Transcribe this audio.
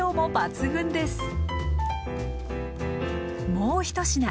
もう１品。